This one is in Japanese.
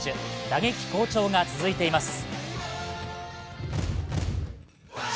打撃好調が続いています。